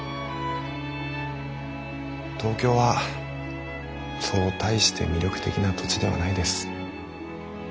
東京はそう大して魅力的な土地ではないです。